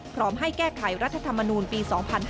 พร้อมให้แก้ไขรัฐธรรมนูลปี๒๕๕๙